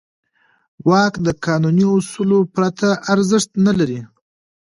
واک د قانوني اصولو پرته ارزښت نه لري.